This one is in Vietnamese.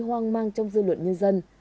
hoang mang trong dư luận nhân dân